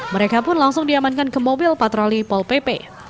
mereka pun langsung diamankan ke mobil patroli pol pp